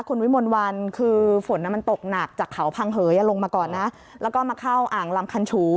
คุณวิมลวันคือฝนมันตกหนักจากเขาพังเหยลงมาก่อนนะแล้วก็มาเข้าอ่างลำคันฉู